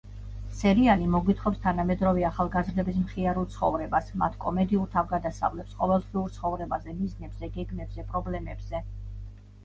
სერიალი მოგვითხრობს თანამედროვე ახალგაზრდების მხიარულ ცხოვრებას მათ კომედიურ თავგადასავლებს, ყოველდღიურ ცხოვრებაზე, მიზნებზე, გეგმებზე, პრობლემებზე.